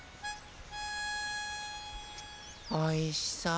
おいしそう！